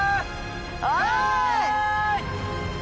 はい！